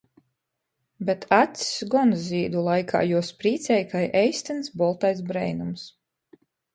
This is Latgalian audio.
Bet acs gon zīdu laikā juos prīcej kai eistyns boltais breinums.